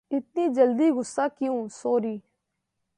اتنی جلدی غصہ کیوں سوری